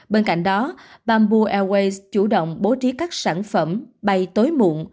bên cạnh đó bamboo airways chủ động bố trí các sản phẩm bay tối muộn